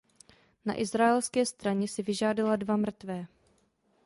Na izraelské straně si vyžádala dva mrtvé.